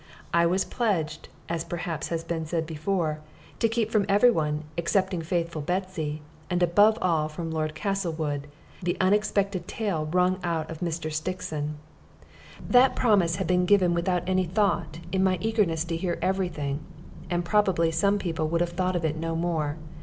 I was pledged, as perhaps has been said before, to keep from every one excepting faithful Betsy, and above all from Lord Castlewood, the unexpected little tale wrung out of Mr. Stixon. That promise had been given without any thought, in my eagerness to hear every thing, and probably some people would have thought of it no more.